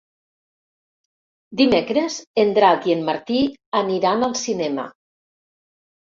Dimecres en Drac i en Martí aniran al cinema.